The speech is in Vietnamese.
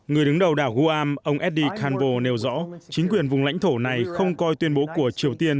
người đứng đầu đảo guam ông eddy canbo nêu rõ chính quyền vùng lãnh thổ này không coi tuyên bố của triều tiên